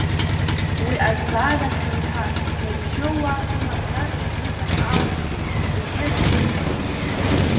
Уи азҵаара хьанҭан, набжьоуаа рымацара рзыҳәан акәымкәа, зегьы рзыҳәангьы…